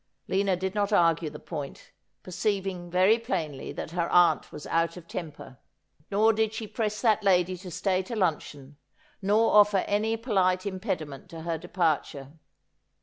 Lina did not argue the point, perceiving very plainly that her aunt was out of temper. Nor did she press that lady to stay to luncheon, nor offer any polite impediment to her depar ture.